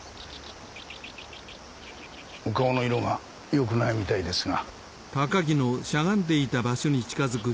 お顔の色がよくないみたいですが。